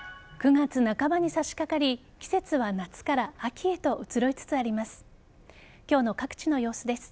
９月半ばにさしかかり季節は夏から秋へと移ろいつつあります。